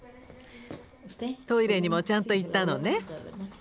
トイレにもちゃんと行ったのね？